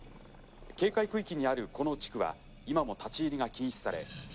警戒区域にあるこの地区は今も立ち入りが禁止され」。